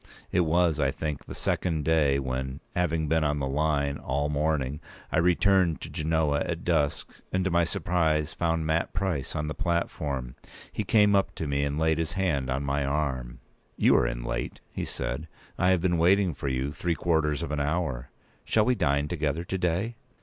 It was, I think, the second day when, having been on the line all the morning, I returned to Genoa at dusk, and, to my surprise, found Mat Price on the platform. p. 199He came up to me, and laid his hand on my arm. "You are in late," he said. "I have been waiting for you three quarters of an hour. Shall we dine together to day?"